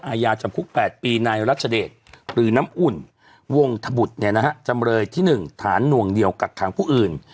อาญาจำคุก๘ปีนายรัชเดชหรือน้ำอุ่นวงธบุตรจำเลยที่๑ฐานหน่วงเหนียวกักขังผู้อื่น